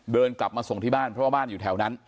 เดินกลับมาส่งที่บ้านเพราะว่าบ้านอยู่แถวนั้น